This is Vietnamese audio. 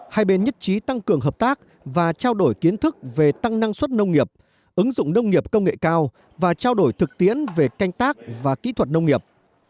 hai bên nhất trí tăng cường hợp tác và trao đổi kiến thức về tăng năng suất nông nghiệp ứng dụng nông nghiệp công nghệ cao và trao đổi thực tiễn về canh tác và kỹ thuật nông nghiệp